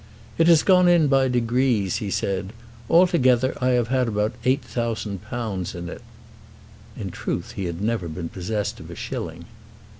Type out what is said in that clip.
"It has gone in by degrees," he said. "Altogether I have had about £8000 in it." In truth he had never been possessed of a shilling.